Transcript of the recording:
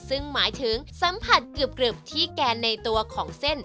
ซึ่งหมายถึงสัมผัสกรึบที่แกนในตัวของเส้น